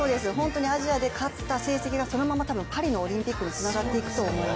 アジアで勝った成績が、そのままパリのオリンピックにつながっていくと思います。